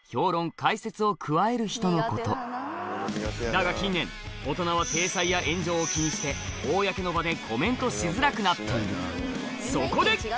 だが近年大人は体裁や炎上を気にして公の場でコメントしづらくなっているそこで！